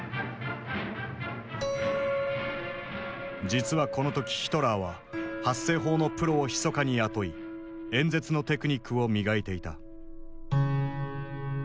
実はこの時ヒトラーは発声法のプロをひそかに雇い演説のテクニックを磨いていた。